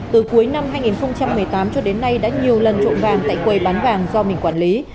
từ cuối năm hai nghìn một mươi tám cho đến nay đã nhiều lần trộm vàng tại quầy bán vàng do mình quản lý